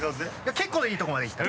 結構いいとこまで行った。